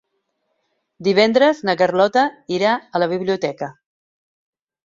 Divendres na Carlota irà a la biblioteca.